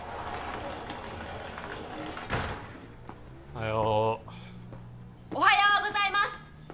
おはようおはようございます！